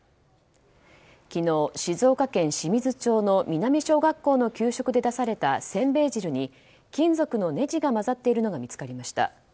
昨日、静岡県清水町の南小学校の給食で出されたせんべい汁に、金属のねじが混ざっているのが見つかりました。